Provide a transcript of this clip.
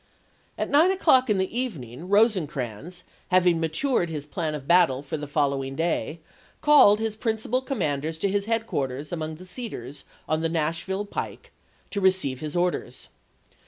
At nine o'clock in the evening Rosecrans, having matured his plan of battle for the following day, called his principal commanders to his headquar ters among the cedars on the Nashville pike to receive his orders.